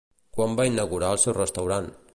Quan van inaugurar el seu restaurant?